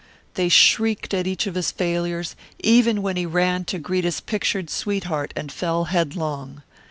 They shrieked at each of his failures, even when he ran to greet his pictured sweetheart and fell headlong.